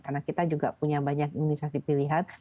karena kita juga punya banyak imunisasi pilihan